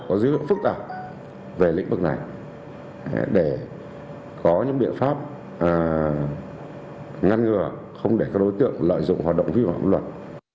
có dữ liệu phức tạp về lĩnh vực này để có những biện pháp ngăn ngừa không để các đối tượng lợi dụng hoạt động vi phạm luật